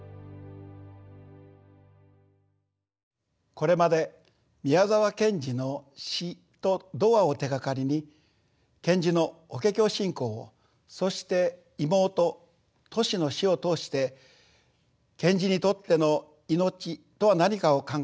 これまで宮沢賢治の詩と童話を手がかりに賢治の「法華経」信仰をそして妹・トシの死を通して賢治にとっての命とは何かを考えてまいりました。